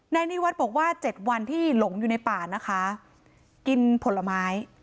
นายนิวัฒน์บอกว่าเจ็ดวันที่หลงอยู่ในป่านะคะกินผลไม้